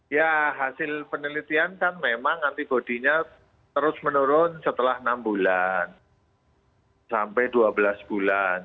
ya hasil penelitian kan memang antibody nya terus menurun setelah enam bulan sampai dua belas bulan